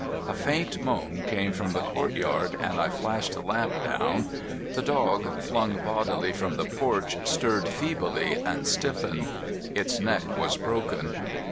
A faint moan came from the courtyard, and I flashed the lamp down. The dog, flung bodily from the porch, stirred feebly and stiffened. Its neck was broken.